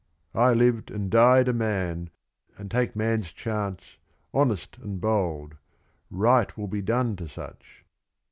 I lived and died a man, and take man's chance, Honest and bold : right will be done to such.